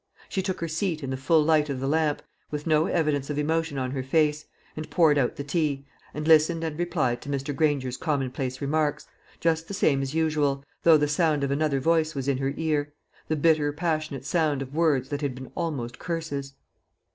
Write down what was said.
She took her seat in the full light of the lamp, with no evidence of emotion on her face, and poured out the tea, and listened and replied to Mr. Granger's commonplace remarks, just the same as usual, though the sound of another voice was in her ear the bitter passionate sound of words that had been almost curses.